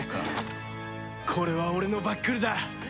これは俺のバックルだ！